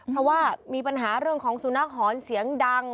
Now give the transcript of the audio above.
เพราะว่ามีปัญหาเรื่องของสุนัขหอนเสียงดัง